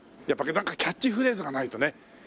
やっぱなんかキャッチフレーズがないとね。